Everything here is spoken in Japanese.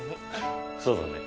そうだね。